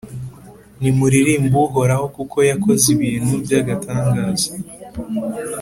Nimuririmbe Uhoraho, kuko yakoze ibintu by’agatangaza,